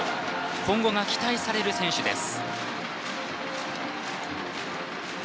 今後が期待される選手です。